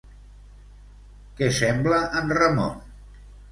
Què sembla en Ramon?